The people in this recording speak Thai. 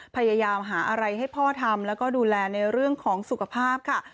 พยายามหาอะไรให้พ่อทำแล้วก็ดูแลในเรื่องของสุขภาพค่ะ